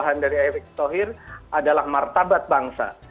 yang dipercaya oleh erick tohir adalah martabat bangsa